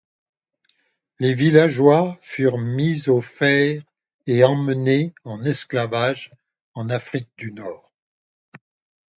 Les villageois furent mis aux fers et emmenés en esclavage en Afrique du Nord.